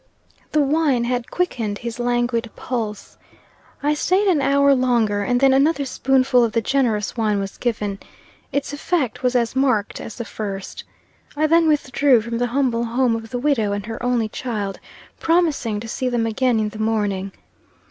The wine had quickened his languid pulse. I stayed an hour longer, and then another spoonful of the generous wine was given. Its effect was as marked as the first. I then withdrew from the humble home of the widow and her only child, promising to see them again in the morning.